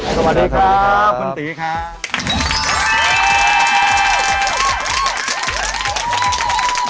สวัสดีครับคุณตีครับ